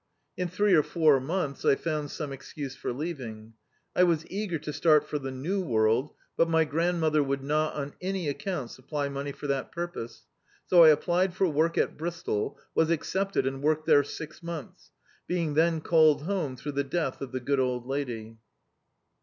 In three or four months I found some excuse for leaving. I was eager to start for the new world; but my grandmother would not^ on any account, supply money for that purpose; so I ap plied for work at Bristol, was accepted, and worked there six months, being then called home through the death of the good old lady.